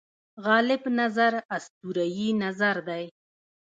غالب نظر اسطوره یي نظر دی.